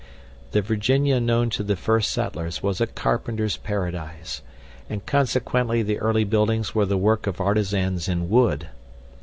The Virginia known to the first settlers was a carpenter's paradise, and consequently the early buildings were the work of artisans in wood.